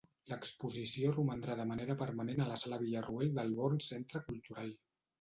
L’exposició romandrà de manera permanent a la Sala Villarroel del Born Centre Cultural.